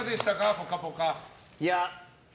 「ぽかぽか」。